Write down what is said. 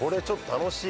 楽しい。